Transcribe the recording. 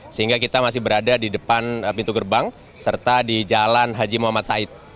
sehingga kita masih berada di depan pintu gerbang serta di jalan haji muhammad said